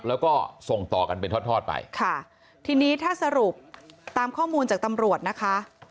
แล้วก็ส่งต่อกันเป็นทอดทอดไปค่ะทีนี้ถ้าสรุปตามข้อมูลจากตำรวจนะคะ